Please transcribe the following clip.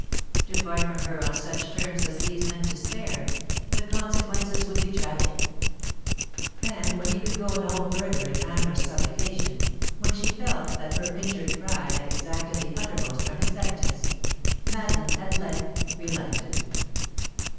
To part from her on such terms as these meant despair; the consequences would be tragic. And when he could go no further in amorous supplication, when she felt that her injured pride had exacted the uttermost from his penitence, Madeline at length relented.